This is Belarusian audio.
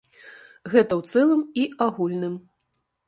Гэта ў цэлым і агульным.